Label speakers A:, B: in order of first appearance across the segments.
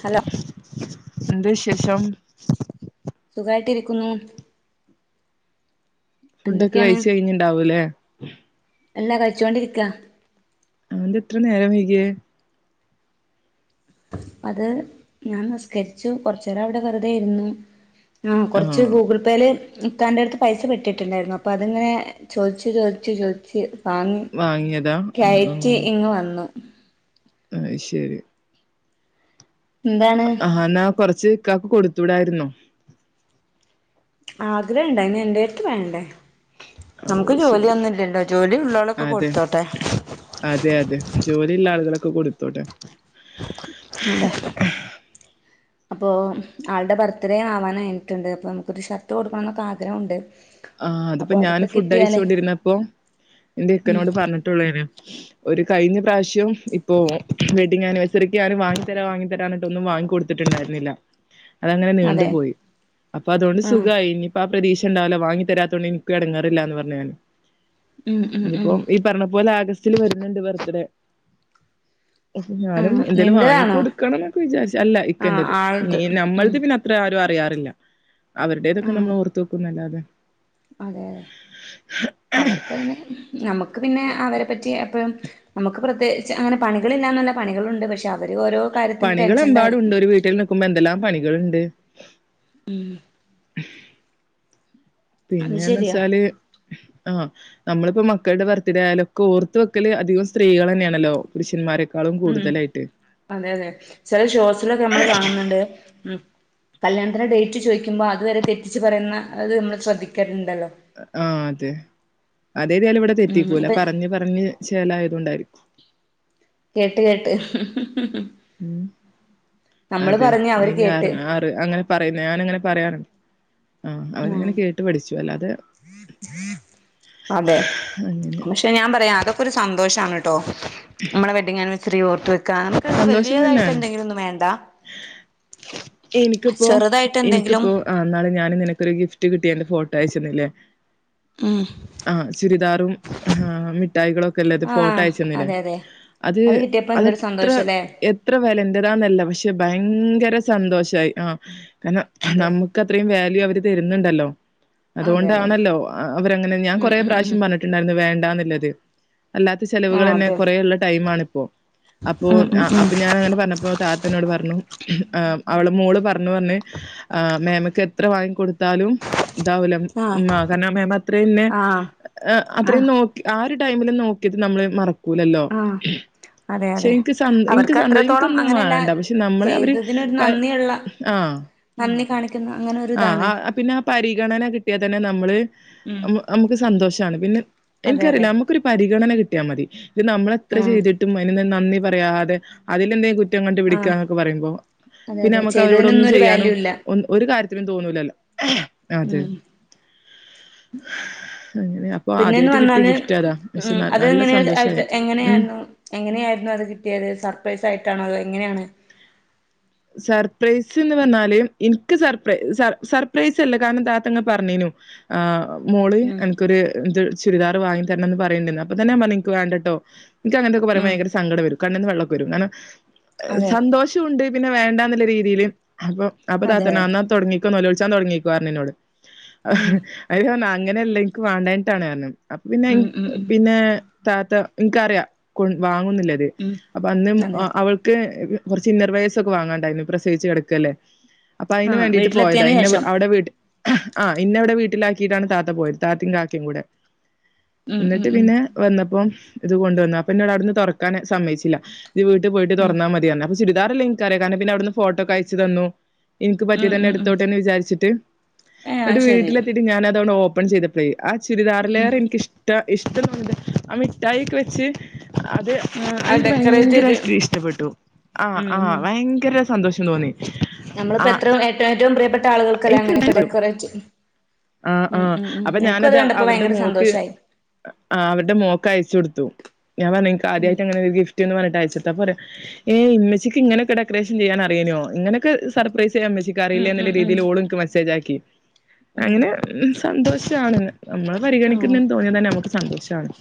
A: Hello
B: എന്ത്‌ വിശേഷം?
A: സുഖായിട്ടിരിക്കുന്നു.
B: ഫുഡ് ഒക്കെ
A: എന്തൊക്കെയാണ്
B: കഴച്ച് കഴിഞ്ഞട്ടുണ്ടാവൂല്ലേ?
A: അല്ല കഴിച്ചുകൊണ്ടിരിക്ക
B: ന്താ ത്ര നേരം വൈകിയ?
A: അത് ഞാൻ നിസ്കരിച്ചു കുറച്ച നേരം അവിടെ വെറുതൊയിരുന്നു ആ കുറച്ച് ഗൂഗിൾ ഇപ്പേല് ഇക്കാന്റാട്ത് അടുത്ത് പൈസ പെട്ടിട്ടുണ്ടായിരുന്നു അപ്പൊ അതിങ്ങനെ ചോദിച്ചു ചോദിച് ചോദിച്ച് അങ്
B: വാങ്ങിയതാ ആ
A: കയറ്റി ഇങ്ങ് വന്നു.
B: അഹ് ശരി.
A: ന്താണ്?
B: ആഹാ എന്നാ കൊറച്ച് ഇക്കാക്ക് കൊടുത്തൂടായിരുന്നോ?
A: ആഗ്രഹണ്ടായ്നി എന്റെട്ത്ത് വേണ്ടേ.
B: ഓ
A: നമുക്ക് ജോലി
B: ശരി
A: ഒന്നുല്ലല്ലോ ജോലി ഉള്ളളൊക്കെ
B: അതെ
A: കൊടുത്തോട്ടെ.
B: അതെ അതെ ജോലിള്ള ആളുകളൊക്കെ കൊടുത്തോട്ടെ.
A: അതെ.
B: [unintelligible]
A: അപ്പോ ആളുടെ ബർത്ത്ഡേ ആവാൻ ആഴിഞ്ഞിട്ടുണ്ട് അപ്പൊ നമുക്കൊരു ഷർട്ട് കൊടുക്കണം എന്നൊക്കെ ആഗ്രഹമുണ്ട്.
B: ആഹ്
A: അപ്പൊ
B: അതിപ്പോ ഞാന്
A: അതൊക്കെ
B: ഫുഡ്
A: കിട്ടിയാല്
B: കയ്ച്ചോണ്ടിരുന്നപ്പോ എന്റെ
A: ഉം
B: ക്കനോട് പറഞ്ഞിട്ടുള്ളേനി. ഒരു കഴിഞ്ഞ പ്രാവശ്യം ഇപ്പോ വെഡിംഗ് ആനിവേഴ്സറിക്ക് ഞാന് വാങ്ങി തരാ വാങ്ങി തരാ ഞ്ഞ്ട്ട് ഒന്നും വാങ്ങിക്കൊട്. കൊട്ത്ത്ണ്ടായിരുന്നില്ല. അതങ്ങനെ നീണ്ടു
A: അതെ
B: പോയി അപ്പൊ അതോണ്ട്
A: ആഹ്
B: സുഖായി ഇനിപ്പോ ആ പ്രതീക്ഷ ഉണ്ടാവുല്ല വാങ്ങി തെരാത്തോണ്ട് നിക്കും എടങ്ങേറില്ല എന്ന് പറഞ്ഞ് ഞൻ.
A: ഉം ഉം ഉം
B: ഇനിയിപ്പോ ഇ പറഞ്ഞ പോലെ ആഗസ്റ്റില് വരുന്നുണ്ട് ബർത്ത്ഡേ. ഞാനും
A: ആഹ്
B: എന്തേലും വാങ്ങി
A: നിന്റെതാണോ
B: കൊടുക്കണം ന്നൊക്കെ വിചാരിച്ച് അല്ല
A: ആഹ്
B: ഇക്കന്റത്
A: ആൾത് ഉം
B: നമ്മള്ത് പിന്നെ അ ത്ര ആരും അറിയാറില്ല. അവരുടേതൊക്കെ
A: ആഹ്
B: നമ്മൾ ഓർത്ത് വെക്കുന്നല്ലാതെ.
A: അതെ അതെ അവർക്കതിന് നമുക്ക് പിന്നെ അവരെ പറ്റി എപ്പഴും. നമുക്ക് പ്രത്യേകിച്ച് അങ്ങനെ പണികളില്ലാന്നല്ല പണികളുണ്ട് പക്ഷെ അവർ ഓരോ കാര്യത്തിന് ടെൻഷനിലായിരിക്കും
B: പണികളെമ്പാടുണ്ട്. ഒരു വീട്ടിൽ നിക്കുമ്പോ എന്തെല്ലാം പണികള്ണ്ട്.
A: ഉംഹ്. അത്
B: പിന്നെന്ന്
A: ശരിയാ
B: വെച്ചാല് ആഹ് നമ്മളിപ്പോ മക്കളുടെ ബർത്ത്ഡേ ആയാലൊക്കെ ഓർത്ത് വെക്കല് അധികം സ്ത്രീകളെന്നെയാണല്ലോ? പുരുഷന്മാരെക്കാളും.
A: ഉം
B: കൂടുതലായിട്ട്
A: അതെ അതെ ചെല ഷോസിലൊക്കെ നമ്മൾ കാണുന്നുണ്ട്. ഉംഹ് കല്യാണത്തിന്റെ ഡേറ്റ് ചോദിക്കുമ്പോ അതുവരെ തെറ്റിച്ച് പറയുന്ന അത് നമ്മൾ ശ്രദ്ധിക്കലുണ്ടല്ലോ?
B: ആഹ അതെ അതേതായാലും ഇവിടെ
A: ഉം
B: തെറ്റിക്കൂല
A: ഇപ്പ
B: പറഞ്ഞ് പറഞ്ഞ് ചേലയതോണ്ടായിരിക്കും.
A: കേട്ട് കേട്ട്. നമ്മള്
B: ഉംഹ്അതെ.
A: പറഞ്ഞ് അവര്
B: [unintelligible] ഏ
A: കേട്ട്
B: അങ്ങനെ പറയുന്നേ ഞാനങ്ങനെ പറയാറുണ്ട്. ആ
A: ഉം
B: അവരങ്ങനെ കേട്ട് പഠിച്ചു അല്ലാതെ.
A: അതെ
B: അങ്ങനെ
A: പക്ഷെ ഞാൻ പറയാം അതൊക്കെ ഒരു സന്തോഷാണ് ട്ടോ. നമ്മള വെഡിംഗ് ആനുവേർസറി ഓർത്ത് വെ
B: സന്തോഷം
A: വല്ല്യതായിട്ട്
B: തന്നെയാണ്
A: എന്തെങ്കിലും ഒന്നും വേണ്ട.
B: എനിക്കിപ്പോ
A: ചെറുതായിട്ട് എന്തെങ്കിലും
B: എനിക്കിപ്പോ. ആഹ് ഇന്നാള് ഞാൻ നിനക്കൊരു ഗിഫ്റ്റ് കിട്ടേന്റെ ഫോട്ടോ അയച്ചന്നില്ലേ.
A: ഉം
B: ആഹ് ചുരിദാറും ആഹ് മിഠായികളും ഒക്കെള്ളത്
A: ആഹ്
B: ഫോട്ടയച്ചെന്നില്ലേ.?
A: അതെ അതെ അത് കിട്ടിയപ്പ എന്തരു സന്തോഷ
B: എത്ര എത്ര വെലന്റതാന്നല്ല. പക്ഷെ ഭയങ്കര സന്തോഷായി. ആഹ്. കരണം നമ്മക്ക്
A: അതെ
B: നമ്മുക്കത്രയും വാല്യൂ അവര് തരുന്നുണ്ടല്ലോ
A: അതെ അതെ
B: അതുകൊണ്ടാണല്ലോ അവരങ്ങനെ ഞാൻ
A: ഉം
B: കൊറെേ
A: ഉം ഉം
B: പ്രാവശ്യം പറഞ്ഞിട്ടുണ്ട്. പറഞ്ഞിട്ടുണ്ടായിരുന്നു വേണ്ടാന്നുള്ളത്. അല്ലാത്ത
A: ആഹ്
B: ചെലവുകളന്നെ
A: അതെ
B: കുറേള്ള ടൈമാണിപ്പോ. അപ്പൊ
A: ഉം ഉം ഉം
B: അപ്പൊ ഞാൻ അങ്ങനെ പറഞ്ഞപ്പോ താത്തന്നോട് പറഞ്ഞു ആഹ് അവള് മോള് പറഞ്ഞൂ പറഞ്ഞ്. ആഹ് മേമക്ക് എത്ര വാങ്ങി കൊടുത്താലും. ഇതാവൂല
A: ആഹ്
B: മ്മ കാരണം മേമ അത്രയുന്നെ
A: ആഹ്
B: അത്രയും
A: ആഹ്
B: നോകി ആഹ് ഒരു ടൈമില് നോക്കീത്‌ നമ്മള് മറക്കൂലല്ലോ.
A: ആഹ് അതെ
B: പക്ഷേ
A: അതെ
B: ൻക്ക് സന്ത ൻക്ക്
A: അവർക്ക്
B: സന്തോഷം
A: അത്രത്തോളം
B: ഇനിക്കൊന്നും
A: അങ്ങനെയല്ല
B: വാണ്ട പക്ഷെ നമ്മളെ അവര്
A: ചെയ്തതിനൊരു
B: പ.
A: നന്ദിയുള്ള
B: ആഹ്
A: നന്ദി കാണിക്കുന്ന അങ്ങനെ
B: ആഹ്
A: ഒരിതാണ്
B: ആഹ് പിന്നെ ആ പരിഗണന കിട്ടിയാൽ തന്നെ നമ്മള്.
A: ഉം
B: അമ്മ അമ്മക്ക് സന്തോഷാണ് പിന്നെ
A: അതെ അതെ
B: എനിക്കറിയില്ല നമ. ൻക് ഒരു പരിഗണന കിട്ടിയാൽ മതി. ഇത് നമ്മളെത്ര
A: ഉം
B: ചെയ്തിട്ടും അതിന്ള്ള നന്ദി പറയാതെ അതിലെന്തെ കുറ്റം. റ്റം കണ്ട്
A: ആഹ്
B: പിടിക്കാന്നൊക്കെ പറയുമ്പോ
A: അതെ
B: പിന്നെ
A: അതെ
B: നമുക്ക് അവരോടൊന്നും
A: ചെയ്തതിനൊന്നും ഒരു
B: ചെയ്യാനും
A: വാല്യൂ ഇല്ല
B: ഒന്നും. ഒരു കാര്യത്തിലും തോന്നൂലല്ലോ. അതെ
A: ഉം
B: അങ്ങനെ അപ്പൊ
A: പിന്നെന്ന്
B: ആദ്യായിട്ട് കിട്ടിയ
A: പറഞ്ഞാല്
B: ഗിഫ്റ്റ് അതാ പക്ഷെ
A: ഉം
B: ന-
A: അത്
B: നല്ല
A: എങ്ങനെ ആയിട്ട്
B: സന്തോഷായി ഉം
A: എങ്ങനെയായിരുന്നു എങ്ങനെയ ആയിരുന്നു അത് കിട്ടിയത് സർപ്രൈസ് ആയിട്ടാണോ അത് എങ്ങനെയാണ്
B: സർപ്രൈസ് ന്ന് പറഞ്ഞാല് എനിക്ക് സർപ്ര സർപ്രൈസ് അല്ല കാരണം താത്തന്നോട് പറഞ്ഞിനു ആഹ് മോള്
A: ഉം
B: അന്ക്കൊരു ത് ചുരിദാർ വാങ്ങി തരനംന്ന് പറയ്ണ്ട് അപ്പ തന്നെ ഞാൻ പറഞ്ഞിന് ഇന്ക് വേണ്ടട്ടോ ഇൻക്ക് അങ്ങനൊക്കെ
A: ഉം
B: പറയുമ്പോ സങ്കടം വരും കണ്ണ്ന്ന് വെള്ളക്കെ വരും കാരണം
A: അതെ
B: സന്തോഷണ്ട് പിന്നെ വേണ്ടന്ന രീതി രീതിയില്
A: ഉം
B: അപ്പൊ അപ്പൊ
A: അതെ അതെ
B: താത്തറ്ഞ്ഞു തുടങ്ങിക്കോ നോലോലിച്ചാൻ തുടങ്ങിക്കോ അയ്ൽ ഞാൻ
A: ഉം
B: പറഞ്ഞു അങ്ങനെല്ല ഇന്ക്ക് വേണ്ടാഞ്ഞിട്ടാണ്റ്ഞ്ഞു അപ്പ പിന്നെ
A: ഉം ഉം
B: ഇന്ക്
A: ഉം
B: പിന്നെ താത്ത എനിക്കറിയാം കൊ വാങ്ങുന്നിള്ള്
A: ഉം
B: അപ്പോ അന്ന്
A: അതെ
B: അവൾക്ക് കൊറച്ചു ഇന്നർ വേയെസ് സൊക്കെ വാങ്ങാണ്ടയിനു പ്രസയിച്ച്കിടക്കല്ലേ അപ്പൊ അതിന്
A: ആഹ്
B: വേണ്ടിട്ട് പോയതാ
A: വീട്ടിലെത്തിയതിന്
B: ഇന്നെ
A: ശേഷം
B: അവിടെവീട്ല് ആഹ് ഇന്ന വിടെ വീട്ടിലാക്കിട്ടാണ് താത്ത പോയത് താത്തിം കാക്കിം കൂടെ
A: ഉം ഉം
B: ന്നിട്ട്
A: ഉം
B: പിന്നെ വന്നപ്പം ഇത് കൊണ്ടുവന്നു അപ്പൊ എന്നോട് അവിടുന്ന് തുറക്കാൻ സമ്മയിച്ചില്ല ഇയ്യ് വീട്ടിൽ പോയിട്ട്
A: ഉം
B: തുറന്നാൽ മതിയാർഞ്ഞു ചുരിദാർ ഇള്ള് ഇൻ കറിയ കാരണ്ണം പിന്നെ അവിന്ന് ഫോട്ടോ ക്കെ അയച്ചു തന്നു എനിക്ക് പറ്റിയത്
A: ഉം
B: തന്നെ
A: ഉം ഉം
B: എടുത്തോട്ടെന്ന് വിചാരിച്ചിട്ട്
A: ഏഹ്
B: എന്നിട്ട്
A: അത് ശരി
B: വീട്ടിലെത്തിട്ട് ഞാനതങ്ങട്ട് ഓപ്പൺ ചെയ്തത് ആ
A: ഉം
B: ചുരിദാറിലേറെ എനിക്ക് ഇഷ്ട ഇഷ്ടംന്നില്ല ആ മിഠായിക്കെ വെച്ച് അത്
A: ആഹ്
B: അത് നിക്ക്
A: ഡെക്കറേറ്റ് ചെയ്ത്
B: ഭയങ്കരട്ട് ഇഷ്ടപ്പെട്ടു ആഹ്
A: ഉം
B: ആഹ്
A: ഉം
B: ഭയങ്കര സന്തോഷം തോന്നി
A: നമ്മളിപ്പോ
B: ആഹ്
A: എത്ര ഏറ്റ ഏറ്റവും പ്രിയപ്പെട്ട ആളുകൾക്കല്ല
B: എനിക്ക്
A: അങ്ങനൊക്കെ
B: ഇഷ്ടപ്പെടും
A: ഡെക്കോറേ
B: ആഹ് ആഹ് അപ്പൊ ഞാനത് അവരുടെ
A: ഭയങ്കര
B: മോക്ക്
A: സന്തോഷായി
B: ആഹ് അവര്ടെ മോക്ക് അയച്ചു കൊടുത്തു ഞാൻ പർഞ്ഞു ഇന്ക്
A: ഉം
B: ആദ്യയിട്ട് ങ്ങനെ ഒരു ഗിഫ്റ്റ്ന്ന് പറഞ്ഞിട്ട് അയച്ച് കൊടുത്തു ഹേ മ്മച്ചിക്ക് ഇങ്ങനെക്ക ഡെക്കറേഷൻ ചെയ്യാൻ അറിയോനെ അങ്ങനൊക്കെ സർപ്രൈസ് തരാൻ മ്മച്ചക്ക്
A: ഉം
B: അറിയലെ
A: ഉം ഉം
B: ഇന്ക് മെസേജ് ആക്കി
A: ആഹ്
B: അങ്ങനെ സന്തോഷാണ് നമ്മളെ
A: ആഹ്
B: പരിഗണിക്കുന്നുന്ന് തോന്നിയ തന്നെ നമുക്ക് സന്തോഷമാണ്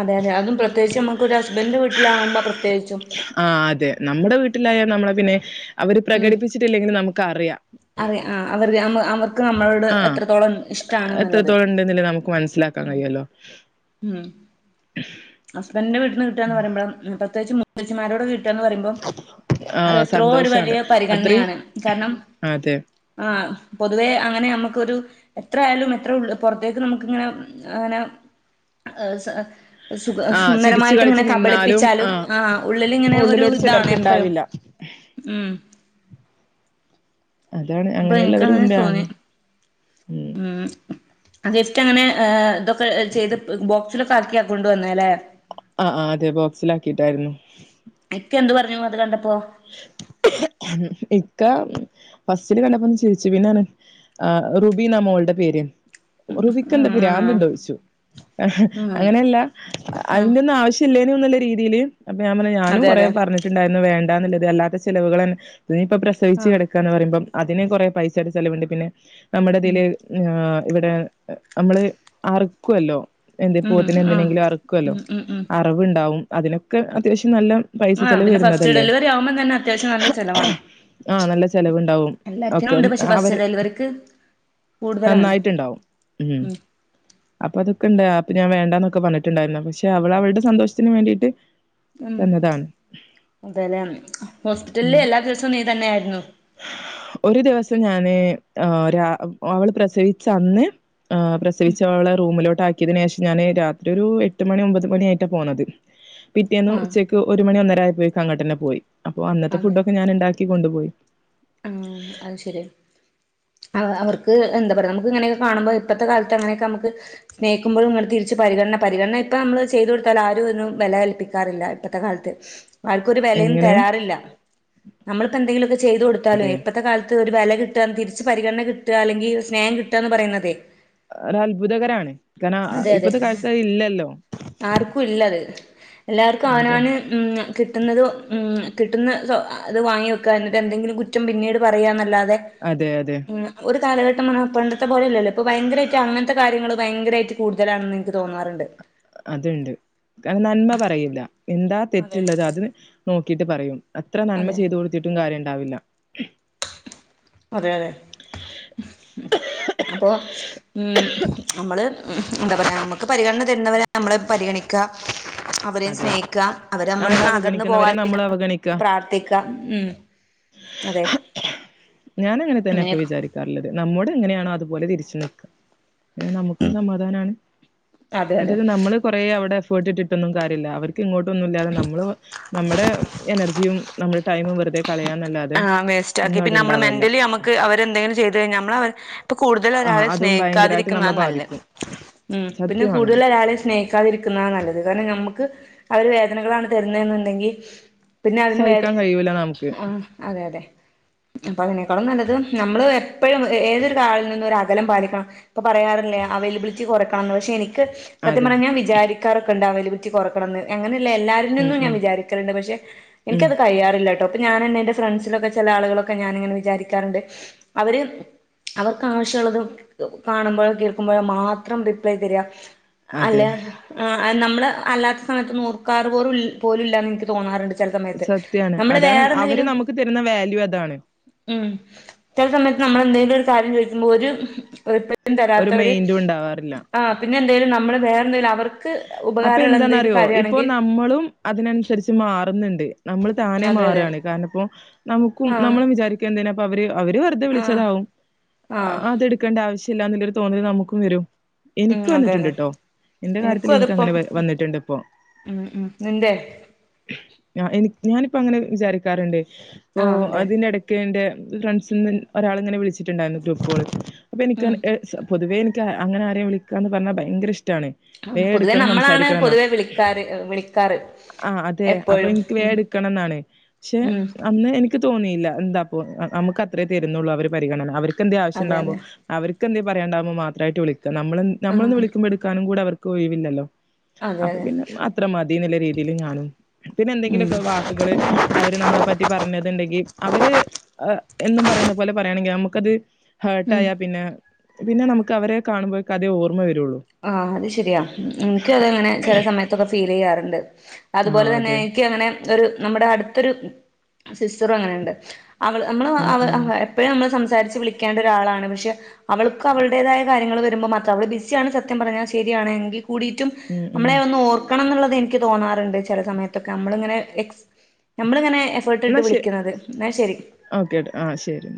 A: അതെ അതെ അതും പ്രത്യേകച്ച് നമക്ക് ഒരരു ഹസ്ബൻഡറ് വീട്ടിലാകുമ്പൾ പ്രത്യേകിച്ചും
B: ആ അതെ നമ്മുടെ വീട്ടിലായ നമ്മളെ പിന്നെ അവര്
A: ഉം
B: പ്രകടിപ്പിച്ചിട്ടില്ലെങ്കിലും നമുക്ക് അറിയാം
A: അറിയ ആഹ് അവർ അവർക്ക് നമ്മളോട്
B: ആഹ്
A: എത്രത്തോളം ഇഷ്ടണെന്നുള്ളത്
B: എത്രത്തോളം നമുക്ക് മനസിലാക്കാൻ കഴിയല്ലോ
A: ഉം ഹസ്ബൻഡിന്റെ വീട്ടിൽന്ന് കിട്ടുകന്ന് പറയുമ്പോഴ പ്രത്യേകിച്ച് മൂത്തച്ചിമാരോടെ വ ന്ന് പറയുമ്പോം അത്
B: ആഹ്
A: എത്രോ ഒരു
B: സന്തോഷാണ്
A: വലിയ
B: അത്രയും
A: പരിഗണനയാണ് കാരണം
B: അതെ
A: ആ പൊതുവേ അങ്ങനെ നമ്മുക്കൊരു എത്രയാലും എത്ര ഉള്ള പുറത്തേക്ക് നമുക്ക് ഇങ്ങനെ അങ്ങനെ സുഖ
B: ആഹ് ചിരിച്ചു
A: സുന്ദരമായിട്ട്
B: കളിച്ച്
A: ഇങ്ങനെ
B: നിന്നാലും
A: കബളിപ്പിച്ചാലും
B: ആഹ്
A: ആ ഉള്ളിലിങ്ങനെ ഒരു
B: ഉള്ളിലോട്ട്
A: ഇതാണ്
B: ചിലർക്ക്
A: എപ്പഴും
B: ഇണ്ടാവില്ല
A: ഉം
B: അതാണ്
A: അപ്പൊ എനക്ക്
B: അങ്ങനെയുള്ളവരും
A: അങ്ങനെ
B: ഉണ്ട്
A: തോന്നി
B: ആഹ്
A: ഉം ഗിഫ്റ്റ് അങ്ങനെ ഇതൊക്കെ ചെയ്ത് ബോക്സിലൊക്കെ ആക്കി ആക്കൊണ്ട വന്ന അല്ലെ
B: ആ ആ് അതെ ബോക്സില ആാക്കിയിട്ടായിരുന്നു
A: എക്കെ എന്ത് പറഞ്ഞു അത് കണ്ടപ്പോ
B: ഇക്ക ഫസ്റ്റില് കണ്ടപ്പോന്ന ചിരിച്ചു പിന്നെ ആ റുബി നമോളുടെ പേര് റുബിക്ക എന്ത
A: ആഹ്
B: പിരാന്തുണ്ടോദിച്ചു
A: ഉം
B: അങ്ങനെയല്ല
A: ആഹ്
B: അതിന്റെ ഒന്നും ആവശ്യ ചില്ലേന ഒന്നല്ല രീതിയില് അപ്പൊ ഞാൻ പറ ഞാനും
A: അതെ
B: കുറെേ
A: അതെ
B: പറഞ്ഞിട്ടുണ്ടായിരുന്നു വേണ്ട എന്നുള്ളത് അല്ലാത്ത ചിലവൾന്നെ ഇതിനിപ്പൊ പ്രസവിച്ചു
A: ആഹ്
B: കിടക്കുകന്ന് പറയ്പം അതിന് കുററെ പൈസയുടെ ചെലവുണ്ട് പിന്നെ നമ്മുടെ
A: ഉം
B: ഇതിൽ ഇവിടെ നമ്മള് അറക്കുവല്ലോ എന്ത
A: ഉം
B: പൂവത്തിനന്
A: ആഹ്
B: എന്തിനെങ്കിലും അറക്കല്ലോ
A: ഉം ഉം ഉം
B: അറിവുണ്ടാവും അതിനൊക്കെ അത്യാവശ്യം നല്ല പൈസ
A: ആ
B: ചെലവ്
A: പിന്നെ ഫസ്റ്റ്
B: വരുന്നതല്ലേ
A: ഡെലിവറി ആവുമ്പം തന്നെ അത്യാവശ്യം നല്ല സ്ഥലമാണ്
B: ആഹ് നല്ല ചെലവുണ്ടാവും
A: എല്ലാത്തിനും
B: ഒക്കെ
A: ഉണ്ട് പക്ഷെ
B: അവര്
A: ബസ് ഡൽവർക്ക് കൂട്തലാണ്
B: ണ്ടാവും ഉം അപ്പ അതൊക്കെണ്ട് അപ്പ ഞാൻ വേണ്ടന്നൊക്കെ പറഞ്ഞിട്ടുണ്ടായിരുന്നു പക്ഷെ അവള് അവള്ടെ സന്തോഷത്തിന് വേണ്ടീട്ട്
A: ഉം അതേലെ ഹോസ്പിറ്റല്ല്
B: ഉം
A: എല്ലാ ദിവസോം നീ തന്നെ ആയിരുന്നു
B: ഒരു ദിവസം ഞാന് ആഹ് രാ അവള് പ്രസവിച്ച അന്ന് പ്രസവിച്ച ഓളെ റൂമിലോട്ട് ആക്കിയതിനേഷം ഞാന് രാത്രി ഒരു എട്ട് മണി ഒമ്പത് മണി ആയിട്ടാ പോണത് പിറ്റേന്ന്
A: ആഹ്
B: ഉച്ചക്ക് ഒരു മണി ഒന്നരായപ്പോയേക്ക് അങ്ങട്ടെന്നെ പോയി അപ്പോ അന്നത്തെ
A: അതെ
B: ഫുഡൊക്കെ ഞാന് ഇണ്ടാക്കി കൊണ്ട്പോയി
A: ആഹ് അത് ശെരി അവ അവർക്ക് എന്താ പറയാ നമുക്ക്ങ്ങനൊക്കെ കാണുമ്പോ ഇപ്പത്തെ കാലത്ത് അങ്ങനൊക്കെ നമക്ക് സ്നേഹിക്ക്മ്പഴും ഇങ്ങട്ട് തിരിച്ച് പരിഗണന പരിഗണന ഇപ്പമ്മള് ചെയ്തൊട്ത്താലും ആരും ഒന്നും വെലകൽപ്പിക്കാറില്ല ഇപ്പത്തെ കാൽത്ത് ആര്ക്കൊരു വെലയും
B: എങ്ങനെ
A: തെരാറില്ല നമ്മൾക്കെന്തെങ്കിലൊക്കെ ചെയ്തു കൊടുത്താലെ
B: അതെ
A: ഇന്നത്തെ കാൽത്ത് ഒര് വെല കിട്ടാ തിര്ച്ച് പരിഗണന കിട്ടാ അല്ലെങ്കി സ്നഹം കിട്ടാന്ന് പറയുന്നതേ
B: ഒരത്ഭുതകരാണ് കാരണം ഇപ്പത്തെ കാൽത്ത് അതില്ലല്ലോ
A: ആർക്കുല്ലത് എല്ലാര്ക്കും
B: അത
A: അവനാന് ഉം കിട്ടുന്നത് ഉം കിട്ടുന്ന അത് വാങ്ങി വെക്കാ എന്നിട്ട് എന്തെങ്കിലും കുറ്റം പിന്നീട് പറയാന്നല്ലാതെ
B: അതെ അതെ
A: ഒരു കാലഘട്ടന്നർഞ്ഞാ പണ്ടത്തെ പോലെല്ലല്ലോ ഇപ്പ ഭയങ്കരായിട്ട് അങ്ങൻത്തെ കാര്യങ്ങള് ഭയങ്കരായിട്ട് കൂടുതലാണെന്ന് ഇൻക്ക് തോന്നാറ്ണ്ട്
B: അത്ണ്ട് കാരണം നന്മ പറയൂല എന്താ
A: അതെ
B: തെറ്റ്ള്ളത് അത് നോക്കീട്ട് പറയും എത്ര നന്മ
A: അതെ
B: ചെയ്തു കൊടുത്തിട്ടും കാര്യണ്ടാവില്ല
A: അതെ അതെ അപ്പൊ ഉം അമ്മള് എന്താ പറയാ നമക്ക് പരിഗണന തരുന്നവരെ നമ്മള് പരിഗണിക്കാ അവരേം
B: അതെ
A: സ്നേഹിക്കാ അവര്
B: നമ്മളെ
A: നമ്മളട്ത്ത്ന്ന് അകന്ന്
B: അവഗണിക്കുന്നവരെ നമ്മളും
A: പോകാതിരിക്കാൻ
B: അവഗണിക്കുക
A: പ്രാർത്ഥിക്കാ ഉം അതെ
B: ഞാന് അങ്ങനെ തന്നെ ഇപ്പൊ
A: അങ്ങനെയൊക്കെ
B: വിചാരിക്കാറ്ള്ളത് നമ്മോട് എങ്ങനെയാണോ അതുപോലെ തിരിച്ചും നിക്കാ നമുക്ക് സമാധാനാണ്
A: അതെ അതെ
B: മറ്റേത് നമ്മള് കൊറെ അവിടെ എഫേട്ട് ഇട്ടിട്ടൊന്നും കാര്യല്ല അവർക്ക് ഇങ്ങോട്ടൊന്നുല്ലാതെ നമ്മള് നമ്മടെ എനർജിയും നമ്മടെ ടൈമും വെറ്തെ
A: ആഹ് വേസ്റ്റാക്കി പിന്നമ്മള് മെന്റലി അമ്മക്ക് അവരെന്തേങ്കിലും ചെയ്ത് കഴിഞ്ഞാ നമ്മള് അവരെ ഇപ്പൊ
B: ആ
A: കൂടുതലൊരാളേം
B: അതും ഭയങ്കരായിട്ട്
A: സ്നേഹിക്കാതിരിക്കുന്നാ
B: നമ്മളെ
A: നല്ലെ
B: ബാധിക്കും
A: ഉം പിന്നെ
B: സത്യമാണത്
A: കൂടുതലൊരാളിം സ്നേഹ ക്കാതിരിക്കുന്നതാ നല്ലത് കാരണം ഞമ്മക്ക് അവര് വേദനകളാണ് തരുന്നേ എന്നുണ്ടെങ്കി പിന്നെ അതിന് വേ
B: സഹിക്കാൻ കഴിയൂല നമുക്ക്
A: ആഹ് അതെ അതെ. അപ്പൊ അതിനേക്കാളും നല്ലത് നമ്മള് എപ്പഴും ഏതൊര് കാളിൽ നിന്നും ഒരകലം പാലിക്കണം. ഇപ്പൊ പറയാറില്ലേ അവൈലബിലിറ്റി കൊറക്കണന്ന് പക്ഷെ എനിക്ക് സത്യം
B: അതെ
A: പറഞ്ഞാ ഞാൻ വിചാരിക്കാറൊക്കിണ്ട് അവൈലബിറ്റി കൊറക്കണംന്ന് അങ്ങനെല്ല എല്ലാര്
B: ഉം
A: നിന്നും
B: ഉം
A: ഞാൻ വിചാരിക്കലിണ്ട് പക്ഷെ
B: ഉം
A: എനിക്കത് കയ്യാറില്ലാട്ടോ അപ്പൊ ഞാനന്നെ എൻ്റെ ഫ്രണ്ട്സിലൊക്കെ ചെല ആളുകളൊക്കെ ഞാനിങ്ങനെ വിചാരിക്കാറിണ്ട് അവര് അവർക്കാവശ്യുള്ളത് കാണുമ്പഴോ കേൾക്കുമ്പൊഴോ മാത്രം റിപ്ലൈ തരാ.
B: അതെ
A: അല്ലെ ആഹ് നമ്മള് അല്ലാത്ത സമയത്തൊന്ന് ഓർക്കാറ് പോറു പോലും ഇല്ലാന്ന് ഇൻക്ക് തോന്നാറിണ്ട്. ചെല സമയത്ത് നമ്മള് വേറെന്തെങ്കിലും
B: തെരുന്ന വാല്യു അതാണ്.
A: ഉം ചെല സമയത്ത് നമ്മള് എന്തേലൊരു കാര്യം ചോയിക്കുമ്പം ഒര് റിപ്ലെ
B: ഒരു
A: തരാത്തവര്
B: മൈൻഡും ഉണ്ടാവാറില്ല
A: ആഹ് പിന്നെ എന്തേലും നമ്മള് വേറെ എന്തേലും അവർക്ക്
B: അപ്പ
A: ഉപകാരമുള്ള എന്തെങ്കിലും
B: എന്താന്നറിയോ ഇപ്പൊ
A: കാര്യമാണെങ്കിൽ
B: നമ്മളും അതിനൻസരിച്ച് മാറ്ന്നിണ്ട് നമ്മള് താനെ
A: അതെ അതെ
B: മാറാണ് കാരണം ഇപ്പോ നമുക്കും
A: ആഹ്
B: നമ്മള് വിചാരി ക്കെന്തിനാപ്പവര് അവര് വെറുതെ
A: ആഹ്
B: വിളിച്ചതാവും
A: ആഹ്
B: അതെട് ക്കേണ്ട ആവശില്ല്യ ഇല്ല എന്നൊരു തോന്നല് നമുക്കും വരും
A: ഉം
B: എനിക്ക്
A: അതെ അതെ
B: വന്നിട്ട്ണ്ട്ട്ടോ എന്റെ കാര്യത്തില്
A: എനിക്കും അതിപ്പം
B: ക്കങ്ങനെ വന്നിട്ടുണ്ട് ഇപ്പൊ.
A: ഉം ഉം നിന്റെ
B: എനി ഞാനിപ്പോ അങ്ങനെ വിചാരിക്കാറിണ്ട് അപ്പൊ
A: ആഹ് അതെ
B: അതിനിട ക്കേന്റെ ഫ്രണ്ട്സിന്ന് ഒരാളിങ്ങനെ വിളിച്ചിട്ടുണ്ടായിരുന്നു ഗ്രൂപ്പ്കോൾ അപ്പൊ എനിക്ക്
A: ഉം
B: എ അ പൊതുവേ എനിക്ക് അങ്ങനെ ആരേം വിളിക്കാന്ന് പറഞ്ഞാ ഭയങ്കര ഇഷ്ട്ടാണ്.
A: പൊതുവേ നമ്മളാണ് പൊതുവെ വിളിക്കാറ് വിളിക്കാറ്.
B: ആഹ് അതെ അപ്പൊ
A: എപ്പോഴും
B: എനിക്ക് വേ
A: ഉം
B: എടുക്കണം എന്നാണ് പക്ഷെ
A: ഉം
B: അന്ന് എനിക്ക് തോന്നിയില്ല എന്താപ്പോ നമുക്ക് അത്രേ തരുന്നുള്ളൂ അവര് പരിഗണന അവർക്ക് എന്ത ആവശ്യം
A: അതെ
B: ഉണ്ടാവുമ്പോ
A: അതെ
B: അവർക്ക് എന്തേ പറയണ്ടാവുമ്പോ മാത്രായിട്ട് വിളിക്ക നമ്മ നമ്മളന്ന
A: ആഹ്
B: വിളിക്കുമ്പോ എടുക്കാനും കൂടെ അവർക്ക് ഒഴിവില്ലല്ലോ.
A: അതെ
B: അപ്പൊ
A: അതെ
B: പിന്നെ അത്ര മതിന്നുള്ള രീതീല് ഞാനും പിന്നെ
A: ഉം
B: എന്തെങ്കിലുമൊക്കെ വാക്കുകള് അവര് നമ്മളെ പറ്റി പറഞ്ഞത് ഇണ്ടെങ്കി അവര് എന്നും പറയുന്ന പോലെ പറയാണെങ്കിൽ നമുക്കത്
A: ഉം
B: ഹേർട്ടായ പിന്നെ പിന്നെ നമുക്ക് അവരെ കാണുമ്പോൾ അതേ ഓർമ്മ വരുള്ളൂ.
A: ആഹ് അത് ശരിയാ എനിക്ക്‌ അതങ്ങനെ ചെല സമയത്തൊക്കെ ഫീൽ ചെയ്യാറുണ്ട്
B: ആ
A: അതുപോലെ തന്നെ
B: അതെ
A: ക്ക്‌ അങ്ങനെ ഒരു നമ്മുടെ അടുത്തൊരു സിസ്റ്ററും അങ്ങനെ ഇണ്ട്. അവള് നമ്മള്
B: ആ
A: അവ്
B: ആ
A: അവ എപ്പോഴും നമ്മൾ സംസാരിച്ച് വിളിക്കേണ്ട ഒരാളാണ് പക്ഷെ അവൾക്ക് അവടേതായ കാര്യങ്ങള് വരുമ്പോ മാത്രം അവള് ബിസിയാണ് സ ത്യം പറഞ്ഞാൽ ശരിയാണെങ്കി കൂടിയിട്ടും
B: ഉം
A: നമ്മളെ
B: ഉം
A: ഒന്ന് ഓർ ക്കണം എന്നുള്ളത് എനിക്ക് തോന്നാറുണ്ട് ചില സമയത്തൊക്കെ നമ്മളിങ്ങനെ എക്സ് നമ്മളിങ്ങനെ എക് എഫർട് ഇട്ട് വിളിക്കുന്നത് എന്നാ ശരി.
B: ഓക്കെട്ട ആഹ് ശരി.